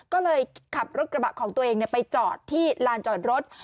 ก็เลยขับรถกระบะของตัวเองไปจอดที่ลานจอดรถ